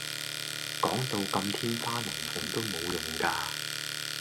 講到咁天花龍鳳都無用架